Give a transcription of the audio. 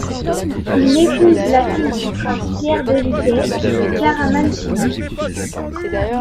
Il épouse la fille du prince Pierre de Riquet de Caraman-Chimay.